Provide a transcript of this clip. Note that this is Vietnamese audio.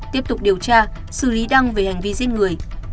tiếp tục điều tra xử lý đăng về hành vi giết người